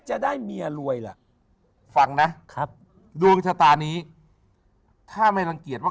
จะได้เมียรวยล่ะฟังนะครับดวงชะตานี้ถ้าไม่รังเกียจว่า